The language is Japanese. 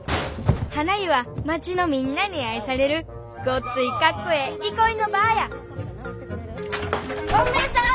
はな湯は町のみんなに愛されるごっついかっこええ憩いの場やゴンベエさん！